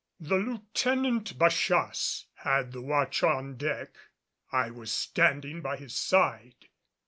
The Lieutenant Bachasse had the watch on deck. I was standing by his side.